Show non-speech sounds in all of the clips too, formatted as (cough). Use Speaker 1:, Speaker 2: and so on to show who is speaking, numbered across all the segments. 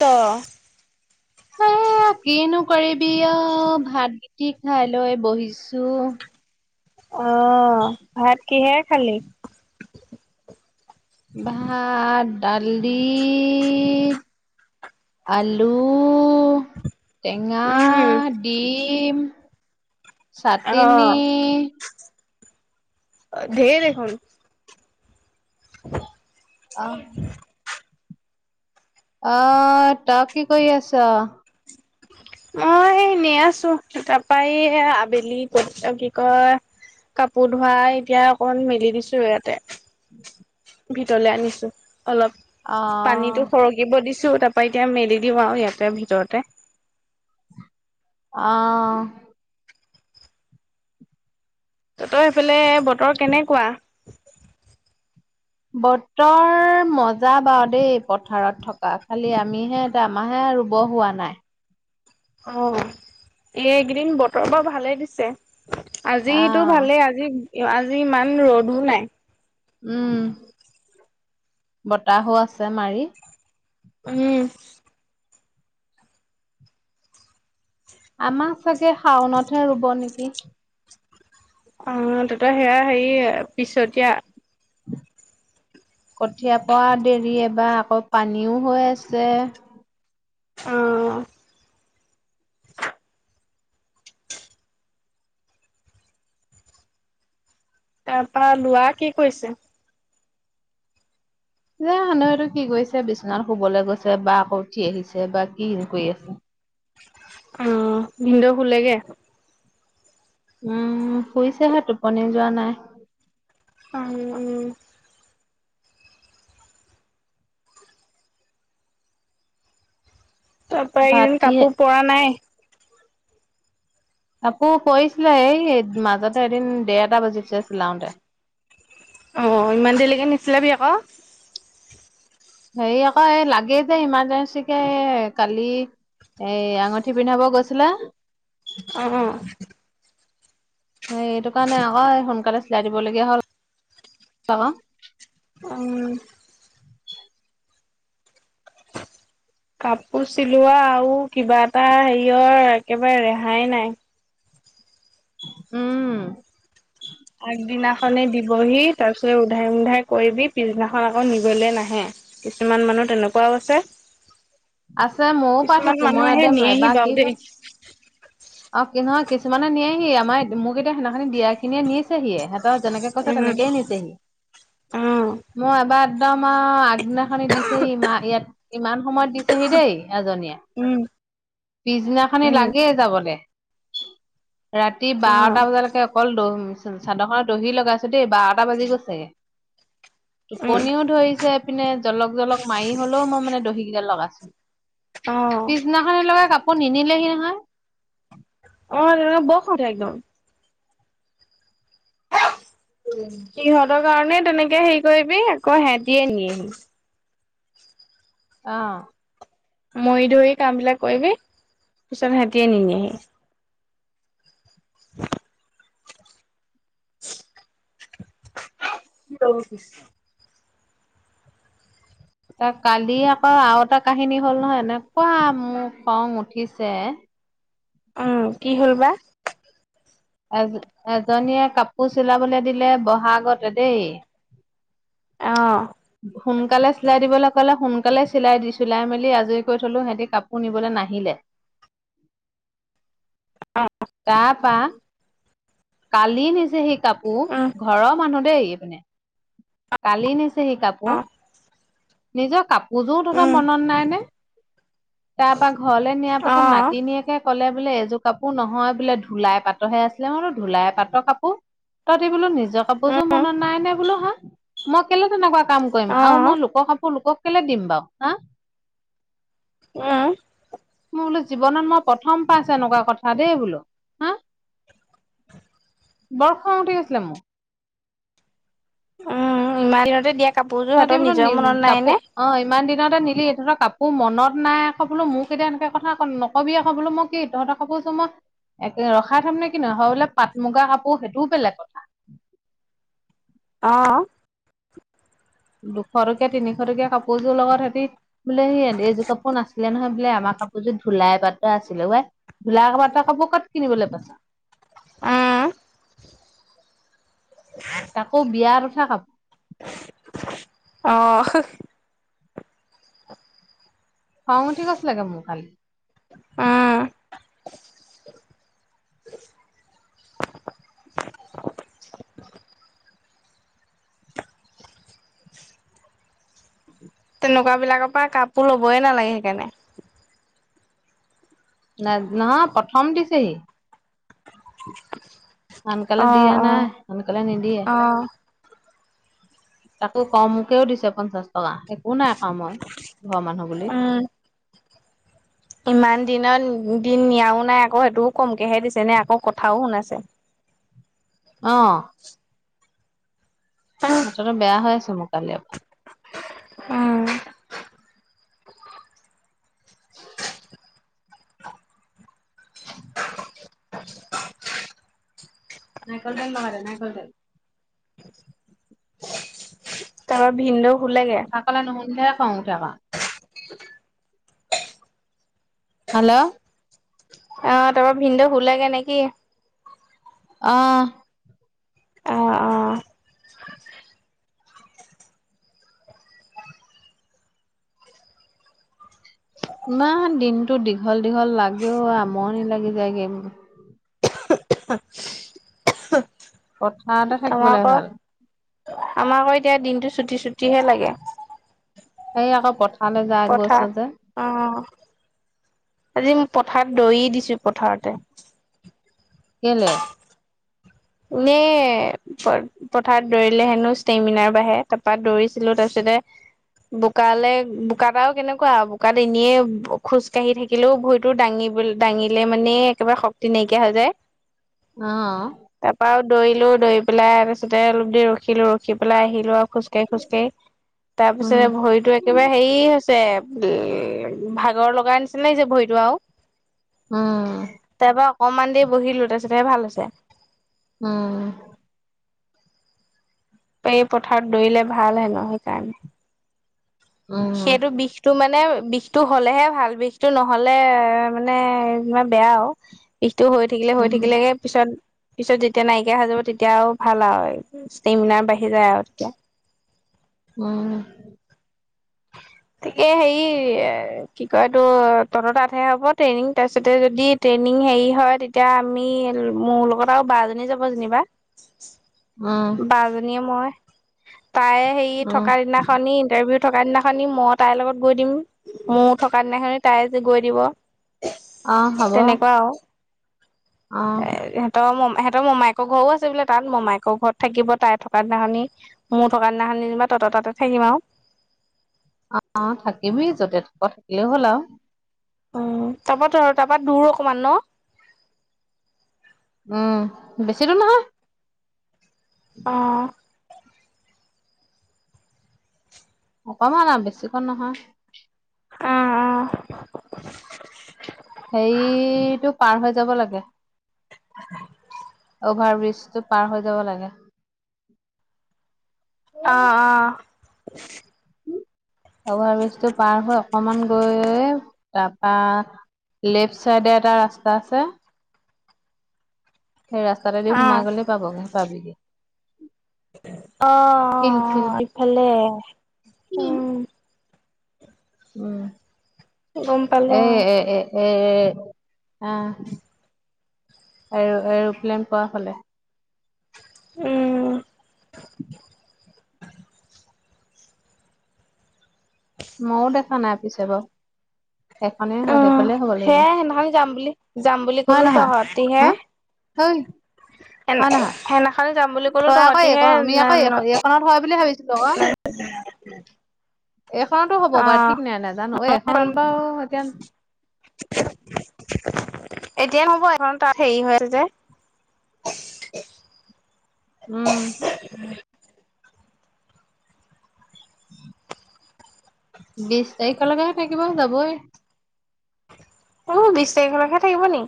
Speaker 1: ত।
Speaker 2: তাকিনোকৰিবি অ ভাত কেইটি খাই লৈ বহিছো।
Speaker 1: অ ভাত কিহেৰে খালি।
Speaker 2: ভাত দালি আলু টেঙা,
Speaker 1: উম
Speaker 2: ডিম,
Speaker 1: অহ
Speaker 2: চাটনী।
Speaker 1: অ, ঢেৰ দেখোন। (inaudible)
Speaker 2: অ। অ, তই কি কৰি আছ।
Speaker 1: মই এনে আছো তাৰপা এই আবেলি ক কি কয়, কাপোৰ ধোৱাই এতিয়া অকমান মেলি দিছো ইয়াতে। ভিতলে আনিছো অলপ
Speaker 2: আহ
Speaker 1: পানীতটো সৰ থাকিব দিছো তাৰ পৰা এতিয়া মেলি দিওঁ আৰু ইয়াতে ভিতৰতে।
Speaker 2: অ'!
Speaker 1: তহঁতৰ সেইফালে, বতৰ কেনেকুৱা?
Speaker 2: বতৰ মজা বাৰু দেই! পথাৰত থকা। খালি আমি হে এতিয়া, আমাৰহে ৰোব হোৱা নাই।
Speaker 1: অ, এই এইকেইদিন বতৰ বাও ভালে দিছে। আজিতো
Speaker 2: আহ
Speaker 1: ভালেই আজি আজি ইমান ৰ'দো নাই।
Speaker 2: উম, বতাহো আছে মাৰি।
Speaker 1: উম।
Speaker 2: আমাৰ চাগে, শাওনতহে ৰোব নেকি!
Speaker 1: অ'! ত'ত সেয়া, হেৰি পিছতীয়া।
Speaker 2: কঠীয়া পৰা দেৰি এবাৰ। আকৌ, পানীও হৈ আছে।
Speaker 1: উম! তাৰপৰা, লোৱা কি কৰিছে?
Speaker 2: (unintelligible) কি কৰিছে, বিচনাত শুবলৈ গৈছে, বা উঠি আহিছে বা কি কৰি আছে।
Speaker 1: উম! ভিনদেউ শুলেগে?
Speaker 2: উম! শুইছেহে, টোপনি যোৱা নাই।
Speaker 1: উম! তাৰপৰা,
Speaker 2: ভাত
Speaker 1: এইকিদিন
Speaker 2: কি
Speaker 1: কাপোৰ পৰা নাই?
Speaker 2: কাপোৰ কৰিছিলে। এই, মাজতে এদিন, ডেৰটা বজিছে, চিলাওঁতে।
Speaker 1: অ'! ইমান দেৰিলৈকে, নিছিলাবি আকৌ।
Speaker 2: হেৰি আকৌ, এই লাগে যে, ইমাৰজেঞ্চিকে। এ, কালি এই, আঙুঠি পিন্ধাব গৈছিলে।
Speaker 1: অ' অ'!
Speaker 2: এই, এইটো কাৰণে আকৌ, সোনকালে চিলাই দিবলগীয়া হ'ল, আকৌ।
Speaker 1: উম!
Speaker 2: (inaudible)
Speaker 1: কাপোৰ চিলোৱা আৰু কিবা এটা হেৰিয়ৰ, একেবাৰে ৰেহাই নাই।
Speaker 2: উম! (unintelligible)
Speaker 1: আগদিনাখনে, দিবহি। তাৰপিছত, উধাই-মুধাই কৰিবি, পিছদিনাখন আকৌ নিবলে নাহে। কিছুমান মানুহ তেনেকুৱাও আছে।
Speaker 2: আছে, মইও পাই
Speaker 1: কিছুমান
Speaker 2: থৈছোঁ। মই
Speaker 1: মানুহে
Speaker 2: একদম,
Speaker 1: নিয়েহি
Speaker 2: এবাৰ
Speaker 1: বাৰু
Speaker 2: কি
Speaker 1: দেই
Speaker 2: হ'ল? অ'! কি হয়, কিছুমানে নিয়েহি। আমাৰ, মোক এতিয়া, সেইদিনা খিনি দিয়া খিনিয়ে নিছেহিয়ে। হেঁতৰ যেনেকে কৈছে,
Speaker 1: উম
Speaker 2: তেনেকে নিছেহি।
Speaker 1: অ
Speaker 2: মোৰ এবাৰ, একদম আৰু আগনাখনি দিছেহি, (unintelligible) ইয়াত। ইমান সময়ত দিছেহি দেই, এজনীয়ে।
Speaker 1: উম
Speaker 2: পিছদিনাখনি,
Speaker 1: উম
Speaker 2: লাগেই যাবলে। ৰাতি
Speaker 1: অ',
Speaker 2: বাৰটা
Speaker 1: উম,
Speaker 2: বজালৈকে, অকল দহ, চাদৰখনত দহি লগাইছোঁ দেই, বাৰটা বাজি গৈছেগে। টোপনিও ধৰিছে ইপিনে, জলক-জলক মাৰি হ'লেও, মই মানে, দহি কেইটা লগাইছোঁ।
Speaker 1: অ',
Speaker 2: পিছদিনাখনে লগাই, কাপোৰ নিনিলেহি নহয়।
Speaker 1: অ'! (unintelligible) একদম। উম! সিহঁতৰ কাৰণে, তেনেকে হেৰি কৰিবি, আকৌ, সেহঁতিয়ে নিয়ে।
Speaker 2: অ'!
Speaker 1: মৰি-ধৰি কামবিলাক কৰিবি! পিছত, সিহঁতিয়ে নিনিয়েহি। (unintelligible) (unintelligible)
Speaker 2: কালি আকৌ, আৰু এটা কাহিনী হ'ল নহয়! এনেকুৱা মোৰ খং উঠিছে।
Speaker 1: উম! কি হ'ল বা?
Speaker 2: এজ, এজনীয়ে কাপোৰ চিলাবলৈ দিলে, বহাগতে দেই।
Speaker 1: অ',
Speaker 2: সোনকালে চিলাই দিবলৈ ক'লে, সোন সোনকালে চিলাই দি চিলাই মেলি আজৰি কৰি থলো সিহঁতি কাপোৰ নিবলৈ নাহিলে।
Speaker 1: অ।
Speaker 2: তা পা কালি নিছে সি কাপোৰ
Speaker 1: উম,
Speaker 2: ঘৰৰ মানুহ দেই এইপিনে। কালি নিছে সি কাপোৰ,
Speaker 1: অ',
Speaker 2: নিজৰ কাপোৰযোৰ তহঁতৰ
Speaker 1: উম,
Speaker 2: মনত নাই নে? তাৰপৰা, ঘৰলে নিয়াৰ পিছত,
Speaker 1: অ',
Speaker 2: নাতিনীয়েকে ক'লে বোলে! এযোৰ কাপোৰ নহয়, বোলে ধূলাই পাতৰহে আছিলে। মই বোলো, ধূলাই পাতৰ কাপোৰ! তহঁতি বোলো, নিজ নিজৰ কাপোৰযোৰ
Speaker 1: উম,
Speaker 2: মনত নাই নে বোলো, হা? মই কেলে, তেনেকুৱা কাম কৰিম আৰু
Speaker 1: অ',
Speaker 2: মই লোকৰ কাপোৰ লোকক কেলে দিম বাৰু হা?
Speaker 1: উম।
Speaker 2: মোৰ বোলো জীৱনত মই প্ৰথম পাইছোঁ এনেকুৱা কথা দেই বোলো হা।
Speaker 1: (unintelligible)
Speaker 2: বৰ খং উঠি গৈছিলে মোৰ।
Speaker 1: উম ইমান দিনতে দিয়া কাপোৰযোৰ
Speaker 2: তহঁতি
Speaker 1: সিহঁতৰ
Speaker 2: বোলো নি
Speaker 1: নিজৰ মনত নাই
Speaker 2: কাপোৰ
Speaker 1: নে?
Speaker 2: অ ইমান দিনতে নিলি তহঁতৰ কাপোৰ মনত নাই আকৌ বোলো মোক এতিয়া এনেকে কথা ন কবি আকৌ বোলো মই কি তহঁতৰ কাপোৰ যোৰ মই এক ৰখাই থম নে কি নো হয় বোলে পাট মুগা কাপোৰ সেইটোও বেলেগ কথা।
Speaker 1: অ।
Speaker 2: দুশ টকীয়া, তিনিশ টকীয়া কাপোৰযোৰ লগত সিহঁতি বোলে সি এইযোৰ কাপোৰ নাছিলে নহয় বোলে আমাৰ কাপোৰযোৰ ধুলাই পাতৰ আছিলে। ধুলাই পাতৰ কাপোৰ ক'ত কিনিবলৈ পাইছ?
Speaker 1: উম।
Speaker 2: তাকো বিয়াত উঠা কাপোৰ।
Speaker 1: অহ।
Speaker 2: খং উঠি গৈছিলে গে মোৰ কালি।
Speaker 1: উম, তেনেকুৱা বিলাকৰ পৰা কাপোৰ ল'বই নালাগে সেইকাৰণে।
Speaker 2: নহয় প্ৰথম দিছেহি। আনকালে
Speaker 1: অ',
Speaker 2: দিয়া নাই
Speaker 1: অ',
Speaker 2: আনকালে নিদিয়ে।
Speaker 1: অ',
Speaker 2: তাকো কমকেও দিছে পঞ্চাশ টকা একো নাই কোৱা মই ঘৰৰ মানুহ বুলি।
Speaker 1: উম। ইমান দিনৰ দিন নিয়াও নাই আকৌ সেইটোও কমকেহে দিছে নে আকৌ কথাও শুনাাইছে।
Speaker 2: অ। মাঠাটো বেয়া হৈ আছে মোৰ কালিৰ পৰা। (unintelligible) (unintelligible) নাৰিকল তেল লগাই দে নাৰিকল তেল।
Speaker 1: তাপৰা ভিনদেও শুলেগে?
Speaker 2: মোৰ কথা নুশুনিলে হে খং উঠে ক। হেল্ল'।
Speaker 1: অ তাপা ভিনদৌ শুলেগৈ নেকি?
Speaker 2: অ। ইমান দিনতো দীঘল দীঘল লাগেও আমনি লাগি যায়গে। পথাৰতে
Speaker 1: আমা ক
Speaker 2: থাকিবলৈ ভাল
Speaker 1: আমাৰ আকৌ এতিয়া দিনটো চুটি চুটিহে লাগে।
Speaker 2: সে আকৌ পথাৰলৈ যায়
Speaker 1: পথাৰ
Speaker 2: গৈছ যে।
Speaker 1: অ আজি ম পথাৰত দৰি দিছো পথাৰতে।
Speaker 2: কেলে।
Speaker 1: ইনে প পথাৰত দৌৰিলে হেনো ষ্টেমিনাৰ বাঢ়ে তাৰপা দৌৰিছিলো তাৰপিছতে বোকালে বোকাত আউ আৰু কেনেকুৱা বোকাত এনেয়ে খোজকাঢ়ি থা থাকিলেও ভৰিটো দাঙিবলৈ দাঙিলে মানে একেবাই শক্তি নাইকিয়া হৈ যায়।
Speaker 2: অ।
Speaker 1: এপাক দৌৰিলোঁ দৌৰি পেলাই তাৰপিছতে অলপ দেৰি ৰখিলো ৰখি পেলাই আহিলো আৰু খোজকাঢ়ি - খোজকাঢ়ি।
Speaker 2: (inaudible)
Speaker 1: তাৰপিছতে ভৰিতো একেবাৰ হেৰি হৈছে উ ভাগৰ লগাই নিছিল হৈছে ভৰিটো আৰু।
Speaker 2: উম।
Speaker 1: তাৰ পৰা অকণমান দেৰি বহিলো তাৰপিছতহে ভাল হৈছে।
Speaker 2: উম।
Speaker 1: এই পথাৰত দৌৰিলে ভাল হেনু সেইকাৰণে।
Speaker 2: উম।
Speaker 1: সেইটো বিষটো মানে বিষটো হ'লেহে ভাল বিষটো নহ'লে মানে বেয়া আউ। বিষটো হৈ থাকিলে হৈ
Speaker 2: উম
Speaker 1: থাকিলেগে। পিছত পিছত যেতিয়া নাইকিয়া হৈ যাব তেতিয়া আৰু ভাল আও ষ্টেমিনাৰ বাঢ়ি যায় আৰু তেতিয়া।
Speaker 2: উম। (inaudible)
Speaker 1: তিকে হেৰি এ কি কয় এইটো তহঁতৰ তাত হ'ব ট্ৰেইনিং, তাৰপিছতে যদি- ট্ৰেইনিং হেৰি হয় তেতিয়া আমি মোৰ লগত আৰু বা এজনী যাব যেনিবা।
Speaker 2: (inaudible)
Speaker 1: বা জনীয়ে মই তাই সে
Speaker 2: উম
Speaker 1: থকা দিনাখনি ইন্টাৰভিউ- থকা দিনাখনি মই তাইৰ লগত গৈ দিম মোৰ থকা দিনাখনি তাই যে গৈ দিব।
Speaker 2: অ হ'ব। অ
Speaker 1: এ। ত ম সিহতৰ মমাইকৰ ঘৰো আছে বোলে তাত মমাইকৰ ঘৰত থাকিব তাই থকা দিনাখনি। মোৰ থকাৰ দিনাখন যেনে বা তহত তাতে থাকিম আউ।
Speaker 2: অ থাকিবি যতে থকা থাকিলে হ'ল আউ।
Speaker 1: অঁ, তাৰপৰা ত তাৰপৰা দূৰো অকমান ন?
Speaker 2: উম, বেছি দূৰ নহয়।
Speaker 1: অঁ।
Speaker 2: অকমান আৰু বেছিকে নহয়।
Speaker 1: উম উম
Speaker 2: সেৰিটো পাৰ হৈ যাব লাগে। অভাৰ ব্ৰিজটো পাৰ হৈ যাব লাগে।
Speaker 1: অঁ অঁ
Speaker 2: অভাৰ ব্ৰিজটো পাৰ হৈ অকমান গৈ তাৰপা- লেফ্ট চাইডে এটা ৰাস্তা আছে। সেই ৰাস্তাতেদি
Speaker 1: অ
Speaker 2: সোমাই
Speaker 1: অ
Speaker 2: গলে পাবগে পাব পাবি।
Speaker 1: অ অঁ অ ইফালে।
Speaker 2: কিম।
Speaker 1: উম
Speaker 2: উম
Speaker 1: গম পালো
Speaker 2: এই
Speaker 1: অ
Speaker 2: এ এ। এ এ এ, আঁ এৰ এৰ'প্লেন পোৱা হ'লে।
Speaker 1: উম।
Speaker 2: ময়ো দেখা নাই পিছে বাৰু। এখনে
Speaker 1: অ
Speaker 2: সেইফালে হ'ব লাগিব
Speaker 1: সেয়াই সেইদিনাখনি যাম বুলি যাম বুলি
Speaker 2: হয়
Speaker 1: ক'লো
Speaker 2: নহয়
Speaker 1: তহঁতিহে
Speaker 2: হা? অই
Speaker 1: সেনা সেইনাখনি যাম বুলি ক'লো তহঁতিহে না ন
Speaker 2: খনত হয় বুলি ভাবিছিলো আক। এইখনতো হ'ব
Speaker 1: অ
Speaker 2: বাৰু ঠিক নাই নাই জানো এইখনত বাৰু এতিয়া
Speaker 1: এতিয়া হ'ব এখন তাত হেৰি হৈ আছে যে।
Speaker 2: উম। বিশ তাৰিখলৈকেহে থাকিব যাবই।
Speaker 1: আও, বিশ তাৰিখলৈকে থাকিব নি?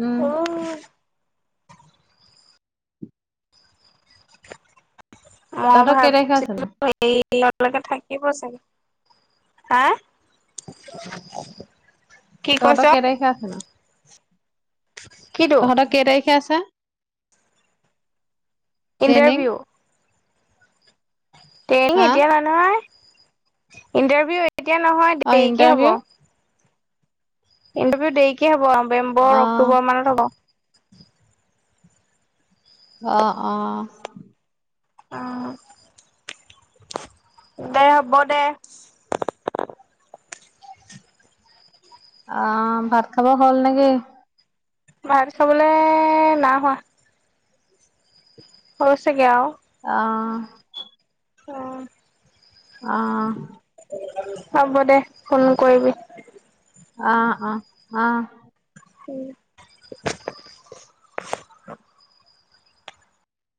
Speaker 2: উম।
Speaker 1: অ
Speaker 2: তহঁতৰ কেই তাৰিখে
Speaker 1: ভাবিছিলো
Speaker 2: আছেনো?
Speaker 1: সেকে (inaudible) থাকিব চাগে। হা, কি কৈছ?
Speaker 2: তহঁতৰ কেই তাৰিখে আছে নো।
Speaker 1: কি
Speaker 2: তহঁতৰ কেই তাৰিখে আছে? ট্ৰেইনিং?
Speaker 1: ইণ্টাৰভিউ? ট্ৰেইনিং
Speaker 2: হা
Speaker 1: এতিয়া নহয়, ইণ্টাৰভিউ এতিয়া নহয়
Speaker 2: অ
Speaker 1: দেৰিকে হ'ব।
Speaker 2: ইণ্টাৰভিউ
Speaker 1: ইণ্টাৰভিউ দেৰিকে হ'ব
Speaker 2: অ
Speaker 1: নৱেম্বৰ অক্টোবৰ মানত হ'ব।
Speaker 2: অ অ।
Speaker 1: অ দে হ'ব দে।
Speaker 2: অ ভাত খাব হ'ল নেকি।
Speaker 1: ভাত খাবলে নাই হোৱা। হৈছেগে আৰু
Speaker 2: অঁ,
Speaker 1: অ,
Speaker 2: অ,
Speaker 1: হ'ব দে ফোন কৰিবি।
Speaker 2: অ অ অ।
Speaker 1: উম।